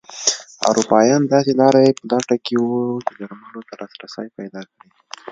اروپایان داسې لارې په لټه کې وو چې درملو ته لاسرسی پیدا کړي.